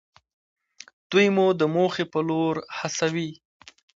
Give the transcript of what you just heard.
دوی مو د موخې په لور هڅوي.